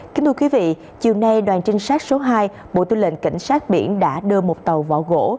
kính thưa quý vị chiều nay đoàn trinh sát số hai bộ tư lệnh cảnh sát biển đã đưa một tàu vỏ gỗ